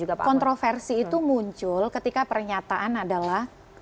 kontroversi itu muncul ketika pernyataan adalah